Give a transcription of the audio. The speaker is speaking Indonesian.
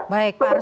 baik pak arsul